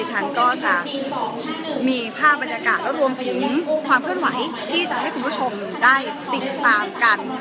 ฉันก็จะมีภาพบรรยากาศแล้วรวมถึงความเคลื่อนไหวที่จะให้คุณผู้ชมได้ติดตามกัน